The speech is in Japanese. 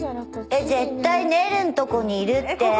えっ絶対ねるんとこにいるって。